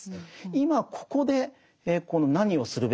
今ここで何をするべきなのか。